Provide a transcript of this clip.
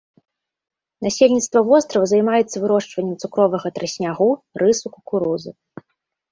Насельніцтва вострава займаецца вырошчваннем цукровага трыснягу, рысу, кукурузы.